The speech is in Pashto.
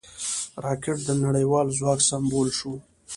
راکټ د نړیوال ځواک سمبول شو